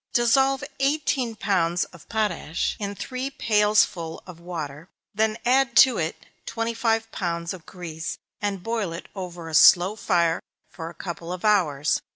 _ Dissolve eighteen pounds of potash in three pailsful of water; then add to it twenty five pounds of grease, and boil it over a slow fire for a couple of hours.